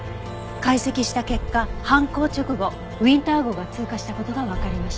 解析した結果犯行直後ウィンター号が通過した事がわかりました。